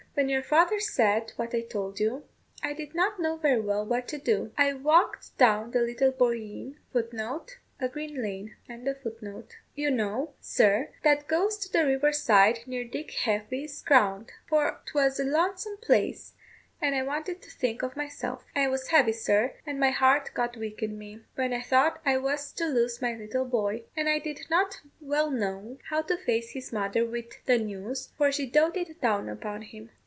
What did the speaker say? "When your father said what I told you, I did not know very well what to do. I walked down the little bohereen you know, sir, that goes to the river side near Dick Heafy's ground; for 'twas a lonesome place, and I wanted to think of myself. I was heavy, sir, and my heart got weak in me, when I thought I was to lose my little boy; and I did not well know how to face his mother with the news, for she doated down upon him.